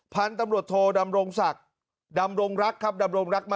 พันธ์ตำรวจโทรดำรงศักดิ์ดำรงรักษ์ครับ